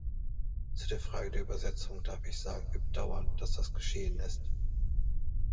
Zu der Frage der Übersetzung darf ich sagen, wir bedauern, dass das geschehen ist.